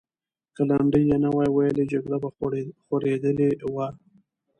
که لنډۍ یې نه وای ویلې، جګړه به خورېدلې وه.